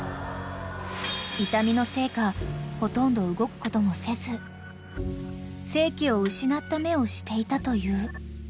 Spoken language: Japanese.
［痛みのせいかほとんど動くこともせず生気を失った目をしていたという］